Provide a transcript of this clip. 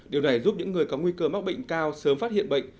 điều này giúp những người có nguy cơ mắc bệnh cao sớm phát hiện bệnh